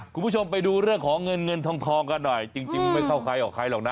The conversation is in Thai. คุณผู้ชมไปดูเรื่องของเงินเงินทองกันหน่อยจริงไม่เข้าใครออกใครหรอกนะ